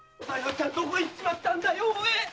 ちゃんどこ行っちゃったんだよ？